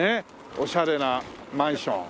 オシャレなマンション。